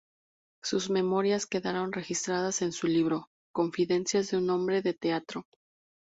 Sus memorias quedaron registradas en su libro "Confidencias de un hombre de teatro".